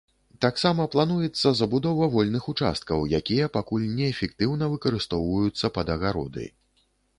Таксама плануецца забудова вольных участкаў, якія пакуль неэфектыўна выкарыстоўваюцца пад агароды.